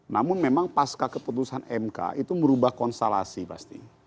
namun memang pasca keputusan mk itu merubah konstelasi pasti